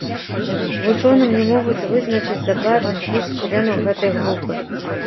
Вучоным не могуць вызначыць дакладны спіс членаў гэтай групы.